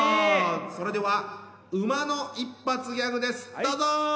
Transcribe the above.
それでは馬の一発ギャグですどうぞ！